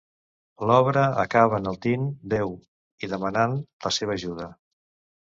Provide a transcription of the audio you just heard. L'obra acaba enaltint Déu i demanant la seva ajuda.